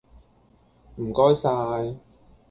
唔該晒